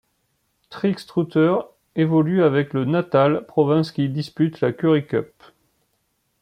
Trix Truter évolue avec le Natal, province qui dispute la Currie Cup.